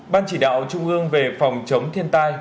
ban chỉ đạo trung ương về phòng chống thiên tai